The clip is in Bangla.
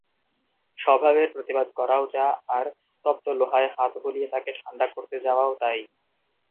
স্বভাবের প্রতিবাদ করাও যা আর তপ্ত লোহায় হাত বুলিয়ে তাকে ঠাণ্ডা করতে যাওয়াও তাই।